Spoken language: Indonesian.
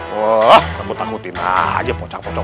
wah takut takutin aja pocong pocong